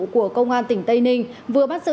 của công an tỉnh tây ninh vừa bắt giữ